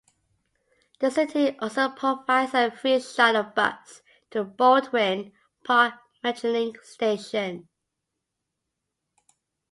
The city also provides a free shuttle bus to the Baldwin Park Metrolink station.